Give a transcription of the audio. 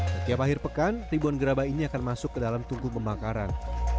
setiap akhir pekan ribuan gerabai ini akan masuk ke dalam tungku pemakaran